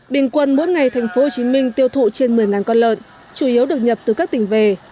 bình quân mỗi ngày thành phố hồ chí minh tiêu thụ trên một mươi con lợn chủ yếu được nhập từ các tỉnh về